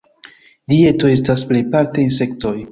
Dieto estas plejparte insektoj.